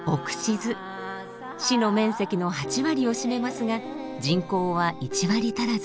市の面積の８割を占めますが人口は１割足らず。